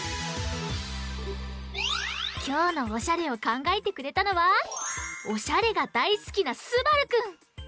きょうのおしゃれをかんがえてくれたのはおしゃれがだいすきなすばるくん。